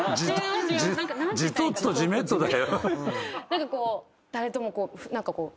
⁉何かこう誰ともこう何かこう。